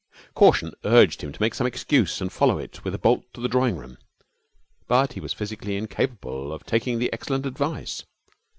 Caution urged him to make some excuse and follow it with a bolt to the drawing room, but he was physically incapable of taking the excellent advice.